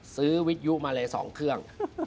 วิทยุมาเลย๒เครื่อง